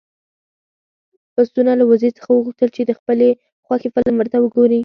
پسونه له وزې څخه وغوښتل چې د خپلې خوښې فلم ورته وګوري.